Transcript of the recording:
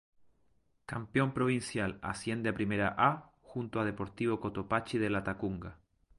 Campeón Provincial, asciende a Primera A, junto a Deportivo Cotopaxi de Latacunga.